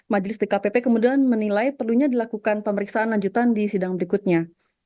majelis dkpp kemudian menilai perlunya dilakukan pemeriksaan lanjutan di sidang berikutnya